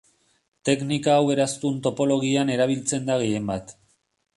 Teknika hau eraztun topologian erabiltzen da gehien bat.